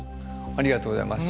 ありがとうございます。